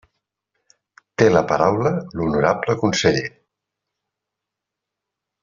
Té la paraula l'honorable conseller.